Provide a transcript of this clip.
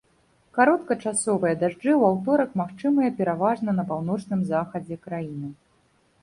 Кароткачасовыя дажджы ў аўторак магчымыя пераважна на паўночным захадзе краіны.